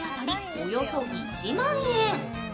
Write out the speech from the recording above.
およそ１万円。